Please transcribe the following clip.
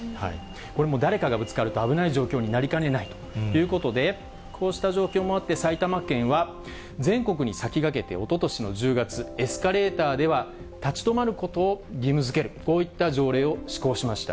これも誰かがぶつかると危ない状況になりかねないということで、こうした状況もあって、埼玉県は、全国に先駆けて、おととしの１０月、エスカレーターでは立ち止まることを義務づける、こういった条例を施行しました。